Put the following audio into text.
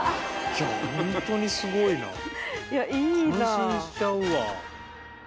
感心しちゃうわ。